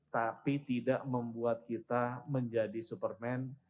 tapi tidak membuat kita menjadi superman